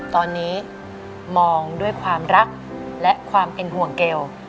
ตอนนี้มองด้วยความรักและความเป็นห่วงเกล